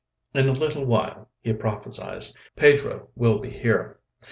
"In a little while," he prophesied, "Pedro will be here."